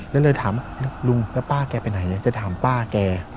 แล้วเลยถามลุงแล้วป้าแกไปไหนจะถามป้าแก